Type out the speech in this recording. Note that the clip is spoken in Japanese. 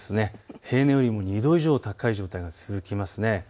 平年よりも２度以上高い状態が続きます。